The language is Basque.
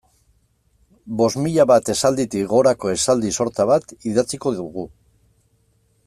Bost mila bat esalditik gorako esaldi sorta bat idatziko dugu.